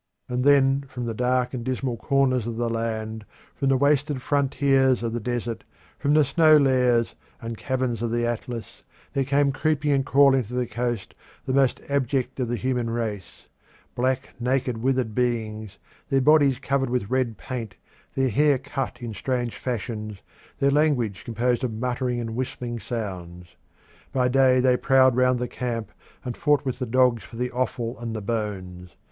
And then from the dark and dismal corners of the land, from the wasted frontiers of the desert, from the snow lairs, and caverns of the Atlas, there came creeping and crawling to the coast the most abject of the human race black, naked, withered beings, their bodies covered with red paint, their hair cut in strange fashions, their language composed of muttering and whistling sounds. By day they prowled round the camp and fought with the dogs for the offal and the bones.